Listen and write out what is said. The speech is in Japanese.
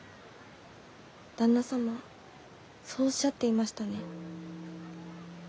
旦那様そうおっしゃっていましたね？